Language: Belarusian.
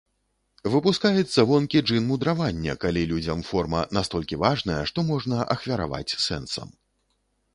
Выпускаецца вонкі джын мудравання, калі людзям форма настолькі важная, што можна ахвяраваць сэнсам.